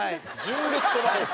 純烈トマホーク？